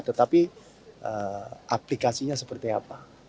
tetapi aplikasinya seperti apa